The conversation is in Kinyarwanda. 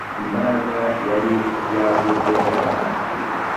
imbaga yari yabuze amazi.